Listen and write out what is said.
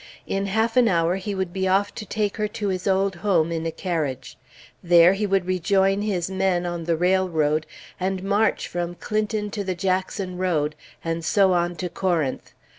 In half an hour he would be off to take her to his old home in a carriage. There he would rejoin his men, on the railroad, and march from Clinton to the Jackson road, and so on to Corinth.